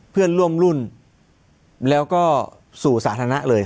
เพื่อนร่วมรุ่นแล้วก็สู่สาธารณะเลย